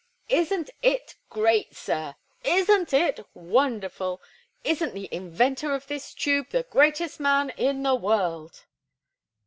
Isn't it great, sir? Isn't it wonderful? Isn't the inventor of this tube the greatest man in the world?"